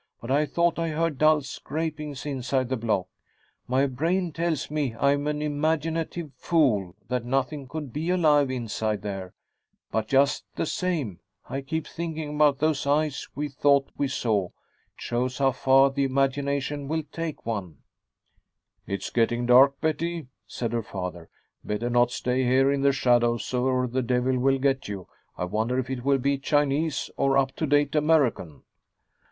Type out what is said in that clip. "But I thought I heard dull scrapings inside the block. My brain tells me I'm an imaginative fool, that nothing could be alive inside there, but just the same, I keep thinking about those eyes we thought we saw. It shows how far the imagination will take one." "It's getting dark, Betty," said her father. "Better not stay here in the shadows or the devil will get you. I wonder if it will be Chinese or up to date American!"